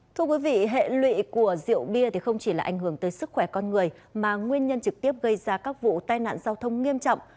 thưa quý vị hệ lụy của rượu bia không chỉ là ảnh hưởng tới sức khỏe con người mà nguyên nhân trực tiếp gây ra các vụ tai nạn giao thông nghiêm trọng